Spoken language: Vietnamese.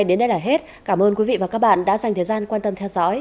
đến đây là hết cảm ơn quý vị và các bạn đã dành thời gian quan tâm theo dõi